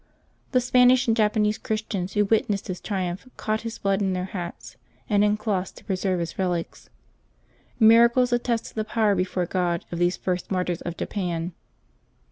The Spanish and Japanese Christians who witnessed his triumph caught his blood in their hats and in cloths to preserve as relics. Miracles attested the power before God of these first martyrs of Japan.